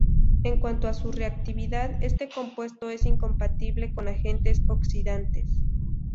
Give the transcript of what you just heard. En cuanto a su reactividad, este compuesto es incompatible con agentes oxidantes.